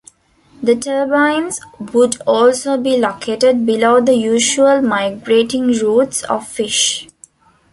The turbines would also be located below the usual migrating routes of fish.